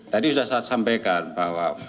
tadi sudah saya sampaikan bahwa